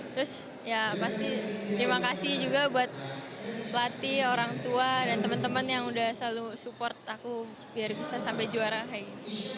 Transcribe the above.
terus ya pasti terima kasih juga buat pelatih orang tua dan teman teman yang udah selalu support aku biar bisa sampai juara kayak